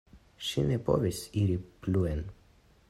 Ŝi ne povis iri pluen.